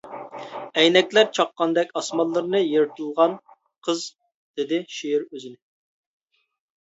ئەينەكلەر چاققاندەك ئاسمانلىرىنى يىرتىلغان قىز دېدى شېئىر ئۆزىنى.